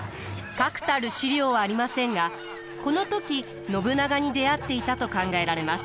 確たる史料はありませんがこの時信長に出会っていたと考えられます。